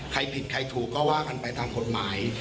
ใครผิดใครถูกก็ว่ากันไปตามกฎหมาย